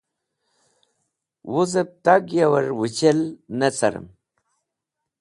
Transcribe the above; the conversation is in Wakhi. Wuzẽb tag yavẽr wẽchel ne carẽm.